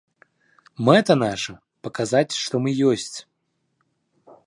Мэта наша паказаць, што мы ёсць.